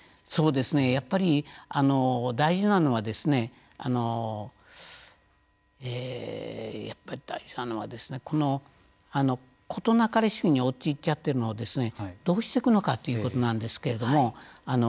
やっぱり大事なのは事なかれ主義に陥っているのをどうしていくのかということなんですけれども。